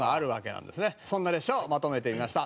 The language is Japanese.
そんな列車をまとめてみました。